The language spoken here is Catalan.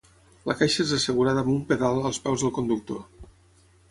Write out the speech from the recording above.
La caixa és assegurada amb un pedal als peus del conductor.